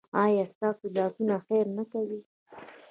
ایا ستاسو لاسونه خیر نه کوي؟